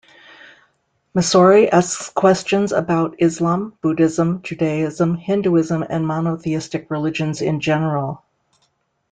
Messori asks questions about Islam, Buddhism, Judaism, Hinduism, and monotheistic religions in general.